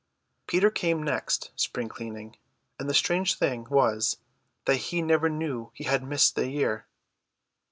Peter came next spring cleaning; and the strange thing was that he never knew he had missed a year.